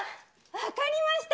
分かりました。